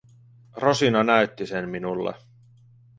Rosina näytti sen minulle.